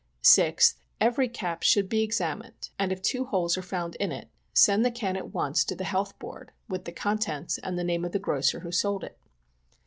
6th. Every cap should be examined, and if two holes are iound in it, send the can at once to the Health Board, with the contents and name of the grocer who sold it.